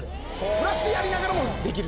ブラシでやりながらもできる。